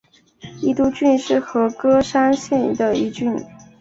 伊都郡是和歌山县的一郡。